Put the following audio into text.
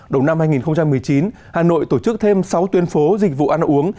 đầu năm hai nghìn một mươi chín hà nội tổ chức thêm sáu tuyến phố dịch vụ ăn uống